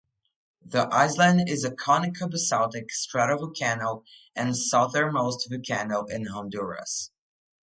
The island is a conical basaltic stratovolcano and the southernmost volcano in Honduras.